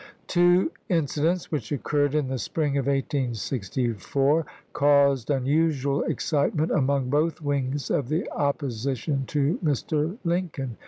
Two incidents which occurred in the spring of 1864 caused unusual excitement among both wings of the opposition to Mr. Lincoln.